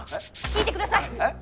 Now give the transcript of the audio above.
聞いてください！